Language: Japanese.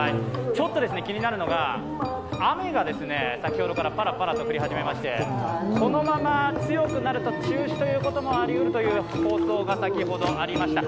ちょっと気になるのが雨が、先ほどからぱらぱらと降り始めましてこのまま強くなると中止ということもありうるという放送が先ほどありました。